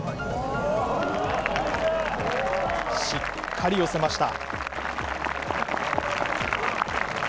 しっかり寄せました。